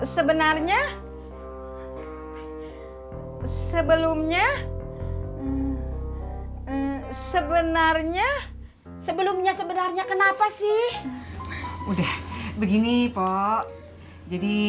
sebenarnya sebelumnya sebenarnya sebelumnya sebenarnya kenapa sih udah begini po jadi